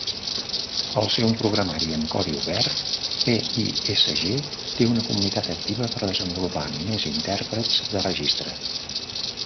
Al ser un programari amb codi obert, pisg té una comunitat activa per desenvolupar més intèrprets de registre.